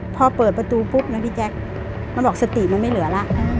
พอเปิดประตูปุ๊บนะพี่แจ๊คมันบอกสติมันไม่เหลือแล้ว